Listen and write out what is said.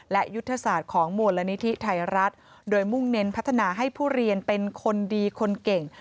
และยุทธศาสตร์ของมูลนิธิไทยรัฐโดยมุ่งเน้นพัฒนาให้ผู้เรียนเป็นคนดีคนเก่ง